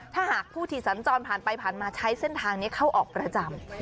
ถ้าหากผู้ที่สัญจรผ่านไปผ่านมาใช้เส้นทางนี้เข้าออกประจำ